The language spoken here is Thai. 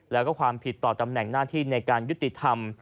แล้วก็ความผิดต่อตำแหน่งหน้าที่ในการยุติธรรม